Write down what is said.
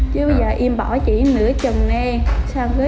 chứ bây giờ em bỏ chỉ nửa trần nang